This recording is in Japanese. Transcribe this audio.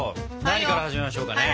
何から始めましょうかね？